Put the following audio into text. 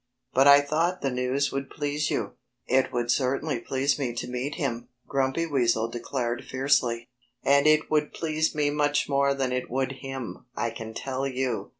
"But I thought the news would please you." "It would certainly please me to meet him," Grumpy Weasel declared fiercely. "And it would please me much more than it would him, I can tell you."